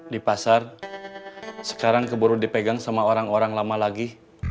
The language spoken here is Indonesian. di pasar sekarang keburu dipegang sama orang orang lama lagi